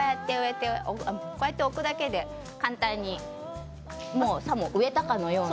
こうやって置くだけで簡単にさも売れたかのように。